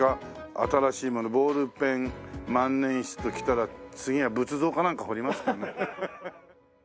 新しい物ボールペン万年筆ときたら次は仏像かなんか彫りますかね。